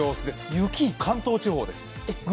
雪、関東地方です。